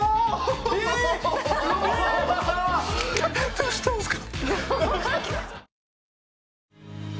どうしたんすか？